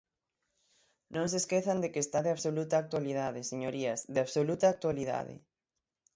Non se esquezan de que está de absoluta actualidade, señorías, ¡de absoluta actualidade!